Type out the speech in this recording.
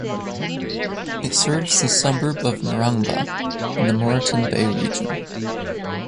It serves the suburb of Narangba in the Moreton Bay Region.